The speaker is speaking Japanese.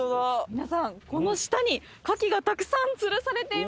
皆さんこの下にカキがたくさんつるされています。